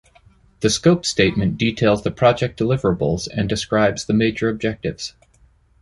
The scope statement details the project deliverables and describes the major objectives.